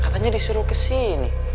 katanya disuruh kesini